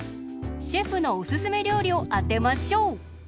シェフのおすすめりょうりをあてましょう！